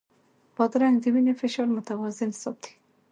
بادرنګ د وینې فشار متوازن ساتي.